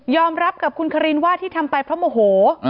รับกับคุณคารินว่าที่ทำไปเพราะโมโห